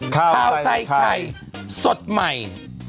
ข้าวใส่ไข่สดใหม่